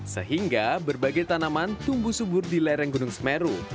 sehingga berbagai tanaman tumbuh subur di lereng gunung semeru